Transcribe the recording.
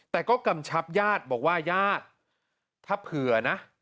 แต่ก็กำชับญาติบอกว่าญาติถ้าเผื่อนะ